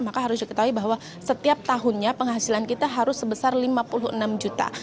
maka harus diketahui bahwa setiap tahunnya penghasilan kita harus sebesar lima puluh enam juta